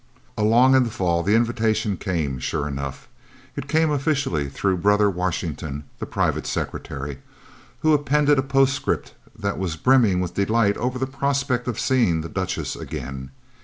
Along in the fall the invitation came, sure enough. It came officially through brother Washington, the private Secretary, who appended a postscript that was brimming with delight over the prospect of seeing the Duchess again.